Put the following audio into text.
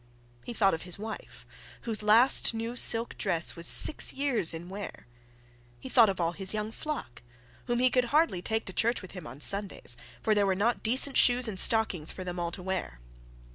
He thought of his wife, whose last new silk dress was six years in wear. He thought of all his young flock, whom he could hardly take to church with him on Sundays, for there was not decent shoes and stockings for them all to wear.